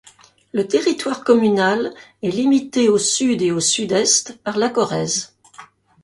Le territoire communal est limité au sud et au sud-est par la Corrèze.